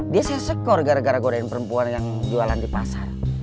dia sih sekor gara gara godain perempuan yang jualan di pasar